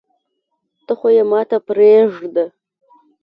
ته خو يي ماته پریږده